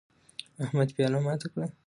احمد پیاله ماته کړه